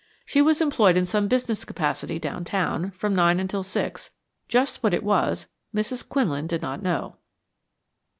She was employed in some business capacity downtown, from nine until six; just what it was Mrs. Quinlan did not know.